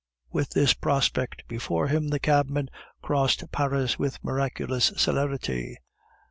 With this prospect before him the cabman crossed Paris with miraculous celerity.